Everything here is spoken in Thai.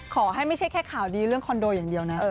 ไม่ใช่แค่ข่าวดีเรื่องคอนโดอย่างเดียวนะ